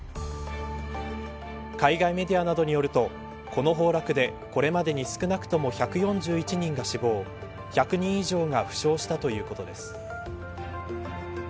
海外メディアなどによるとこの崩落でこれまでに少なくとも１４１人が死亡１００人以上が負傷したということです。